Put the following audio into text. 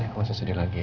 kamu jangan sedih lagi ya